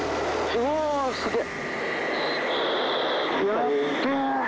うわすげえ。